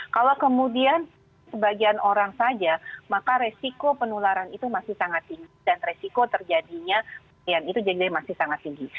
kalau kemudian sebagian orang saja maka resiko penularan itu masih sangat tinggi dan resiko terjadinya itu jadi masih sangat tinggi